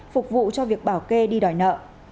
phục vụ cho việc bảo kê đi đòi nợ